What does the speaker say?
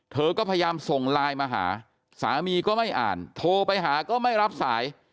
เธอก็พยายามส่งไลน์มาหาสามีก็ไม่อ่านโทรไปหาก็ไม่รับสาย